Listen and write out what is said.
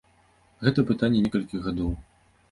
Гэта пытанне некалькіх гадоў.